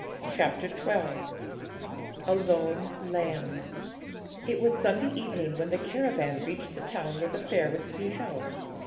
CHAPTER XII A LONE LAMB It was Sunday evening when the caravan reached the town where the fair was to be held.